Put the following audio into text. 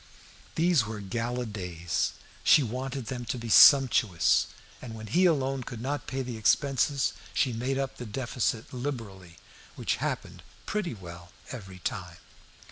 These were her gala days. She wanted them to be sumptuous, and when he alone could not pay the expenses, she made up the deficit liberally, which happened pretty well every time.